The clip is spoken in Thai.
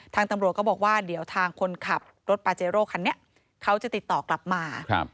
ทางตำรวจก็บอกว่าเดี๋ยวทางคนขับรถปาเจโร่คันนี้เขาจะติดต่อกลับมา